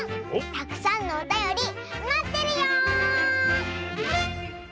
たくさんのおたよりまってるよ！